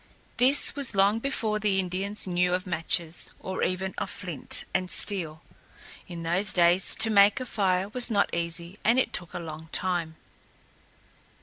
This was long before the Indians knew of matches, or even of flint and steel. In those days to make a fire was not easy and it took a long time.